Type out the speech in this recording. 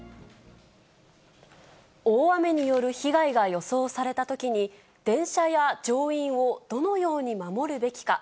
大雨による被害が予想されたときに、電車や乗員をどのように守るべきか。